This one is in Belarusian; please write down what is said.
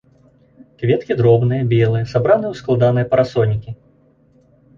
Кветкі дробныя, белыя, сабраны ў складаныя парасонікі.